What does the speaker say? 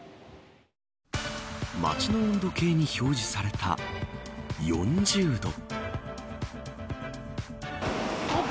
街の温度計に表示された４０度。